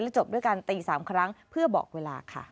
จบด้วยการตี๓ครั้งเพื่อบอกเวลาค่ะ